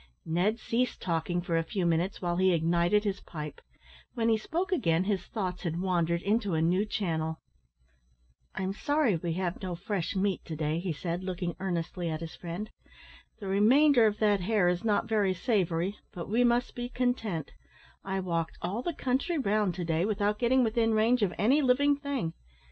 Ned ceased talking for a few minutes while he ignited his pipe; when he spoke again his thoughts had wandered into a new channel. "I'm sorry we have no fresh meat to day," he said, looking earnestly at his friend. "The remainder of that hare is not very savoury, but we must be content; I walked all the country round to day, without getting within range of any living thing.